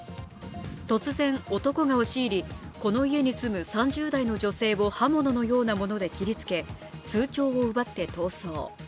突然、男が押し入り、この家に住む３０代の女性を刃物のようなもので切りつけ通帳を奪って逃走。